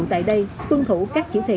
tại đây tuân thủ các chỉ thị